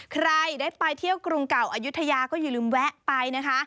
ใครได้ไปเที่ยวกรุงเก่าอายุทยาก็อย่าลืมแวะไปนะคะ